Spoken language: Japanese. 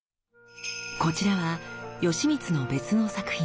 こちらは吉光の別の作品。